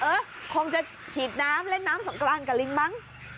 เออคงจะฉีดน้ำเล่นน้ำสงกรานกับลิงมั้ง